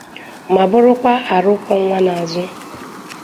ma bụrụkwa arụ kwọ nwa n'azụ.